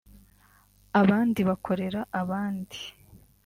abandi bakorera abandi